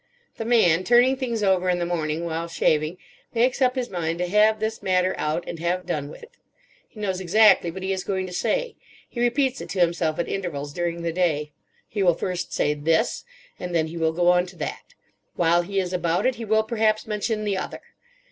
The man, turning things over in the morning while shaving, makes up his mind to have this matter out and have done with it. He knows exactly what he is going to say. He repeats it to himself at intervals during the day. He will first say This, and then he will go on to That; while he is about it he will perhaps mention the Other.